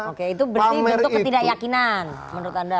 oke itu berarti bentuk ketidakyakinan